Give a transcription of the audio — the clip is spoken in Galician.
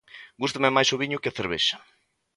Gústame máis o viño que a cervexa